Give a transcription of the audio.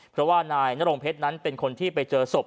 เพราะว่านายนรงเพชรนั้นเป็นคนที่ไปเจอศพ